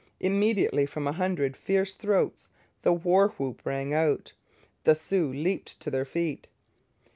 Immediately from a hundred fierce throats the war whoop rang out. The Sioux leaped to their feet.